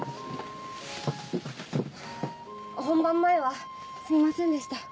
本番前はすみませんでした。